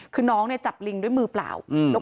คือน้องเนี่ยจับลิงด้วยมือเปล่า